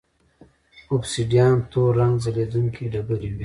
اوبسیدیان تور رنګه ځلېدونکې ډبرې وې